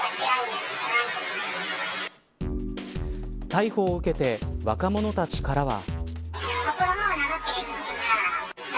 逮捕を受けて若者たちからは。